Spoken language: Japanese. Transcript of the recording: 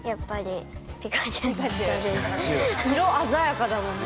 色鮮やかだもんね